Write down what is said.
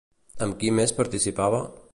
Amb qui més participava?